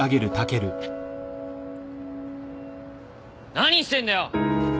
何してんだよ！？